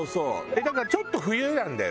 だからちょっと冬なんだよね